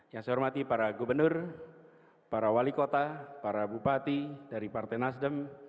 yang saya hormati para gubernur para wali kota para bupati dari partai nasdem